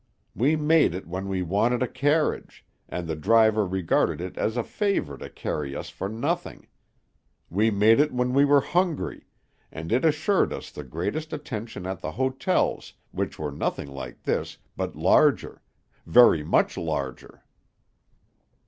We made it when we wanted a carriage, and the driver regarded it as a favor to carry us for nothing; we made it when we were hungry, and it assured us the greatest attention at the hotels, which were nothing like this, but larger very much larger."